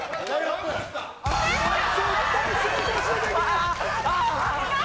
絶対成功しなきゃいけない。